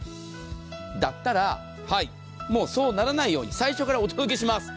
だったら、そうならないように最初からお届けします。